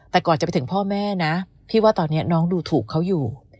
แต่ก่อนจะไปถึงพ่อแม่นะพี่ว่าตอนนี้น้องดูถูกเขาอยู่